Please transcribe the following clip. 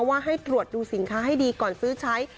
ว่าให้ตรวจดูสินค้าให้ดีก่อนซื้อใช้